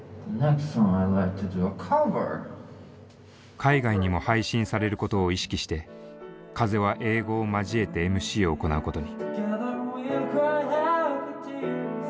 海外にも配信されることを意識して風は英語を交えてＭＣを行うことに。